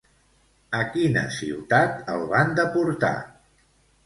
A quina ciutat el van deportar?